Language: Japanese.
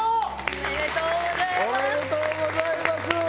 おめでとうございます。